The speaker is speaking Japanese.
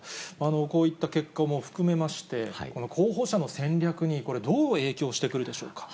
こういった結果も含めまして、候補者の戦略にどう影響してくるでしょうか。